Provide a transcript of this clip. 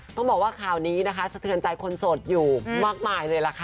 ต้องบอกว่าข่าวนี้นะคะสะเทือนใจคนโสดอยู่มากมายเลยล่ะค่ะ